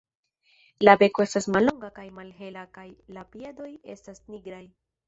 La beko estas mallonga kaj malhela kaj la piedoj estas nigraj.